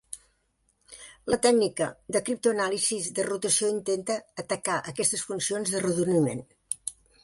La tècnica de criptoanàlisi de rotació intenta atacar aquestes funcions d'arrodoniment.